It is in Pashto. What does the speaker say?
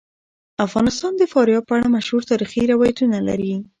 افغانستان د فاریاب په اړه مشهور تاریخی روایتونه لري.